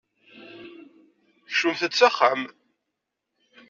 Kecmemt-d s axxam!